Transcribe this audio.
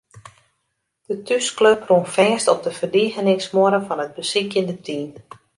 De thúsklup rûn fêst op de ferdigeningsmuorre fan it besykjende team.